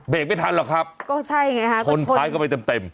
เบรกไม่ทันหรอกครับก็ใช่ไงครับชนพล้ายเข้าไปเต็ม